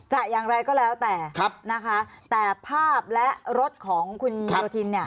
จะอย่างไรก็แล้วแต่แต่ภาพและรถของคุณโยฒิน